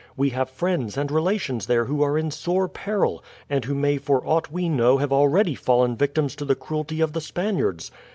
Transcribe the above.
We have friends and relations there who are in sore peril, and who may for aught we know have already fallen victims to the cruelty of the Spaniards.